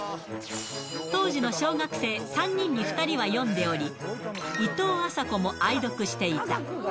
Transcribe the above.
当時の小学生３人に２人は読んでおり、いとうあさこも愛読していた。